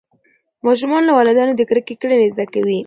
ماشومان د والدینو د کرکې کړنې زده کوي.